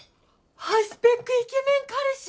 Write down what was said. ハイスペックイケメン彼氏？